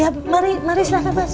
ya mari mari silahkan mas